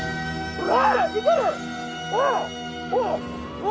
うわ！